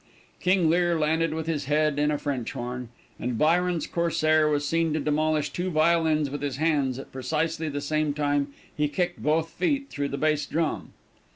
King Lear landed with his head in a French horn, and Byron's Corsair was seen to demolish two violins with his hands at precisely the same time he kicked both feet through the bass drum.